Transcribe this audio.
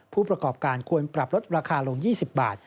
ผู้ประกอบการควรปรับลดราคาลง๒๐บาท